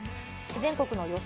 全国の予想